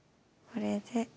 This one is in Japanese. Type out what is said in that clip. これで。